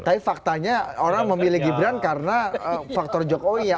tapi faktanya orang memilih gibran karena faktor jokowi ya